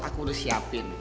aku udah siapin